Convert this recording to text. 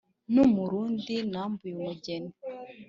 n'umurundi nambuye umugeni.